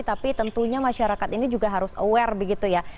tapi tentunya masyarakat ini juga harus aware begitu ya